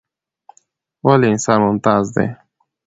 ولې انسان ممتاز دى؟